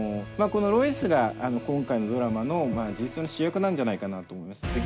このロイスが今回のドラマの事実上の主役なんじゃないかなとも思います。